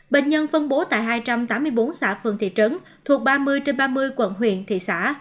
bệnh nhân phân bố tại hai trăm tám mươi bốn xã phường thị trấn thuộc ba mươi trên ba mươi quận huyện thị xã